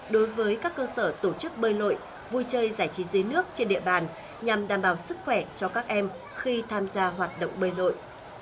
đối với các cơ sở tổ chức bơi lội vui chơi giải trí dưới nước trên địa bàn nhằm đảm bảo sức khỏe cho các em khi tham gia hoạt động bơi lội